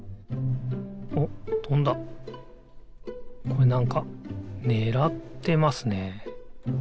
これなんかねらってますね。